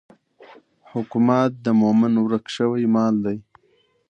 حکمت د مومن ورک شوی مال دی.